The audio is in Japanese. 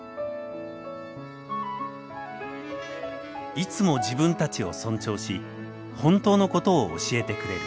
いつも自分たちを尊重し本当のことを教えてくれる。